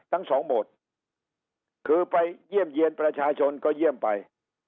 ทั้งสองโหมดคือไปเยี่ยมเยี่ยนประชาชนก็เยี่ยมไป